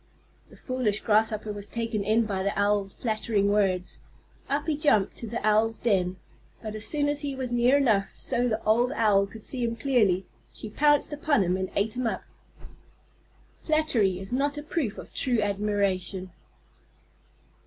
The foolish Grasshopper was taken in by the Owl's flattering words. Up he jumped to the Owl's den, but as soon as he was near enough so the old Owl could see him clearly, she pounced upon him and ate him up. _Flattery is not a proof of true admiration.